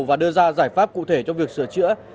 và đưa ra giải pháp cụ thể cho việc sửa chữa